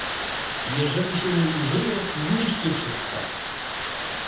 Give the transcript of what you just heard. Jeżeli się jej użyje, zniszczy wszystko